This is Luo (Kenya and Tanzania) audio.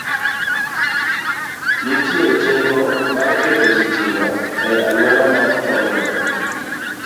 Nitie chenro mar keto sitima e alwora mar tong'no.